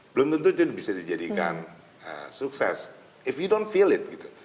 belum tentu bisa dijadikan sukses jika anda tidak merasakannya